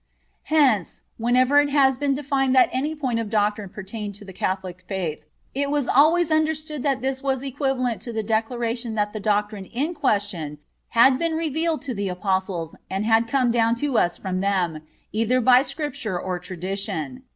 Hence, whenever it has been defined that any point of doctrine pertained to the Catholic faith, it was always understood that this was equivalent to the declaration that the doctrine in question had been revealed to the Apostles, and had come down to us from them, either by Scripture or tradition.